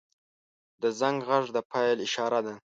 • د زنګ غږ د پیل اشاره ده.